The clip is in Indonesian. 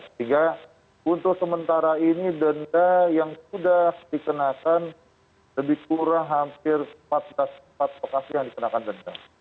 sehingga untuk sementara ini denda yang sudah dikenakan lebih kurang hampir empat belas empat lokasi yang dikenakan denda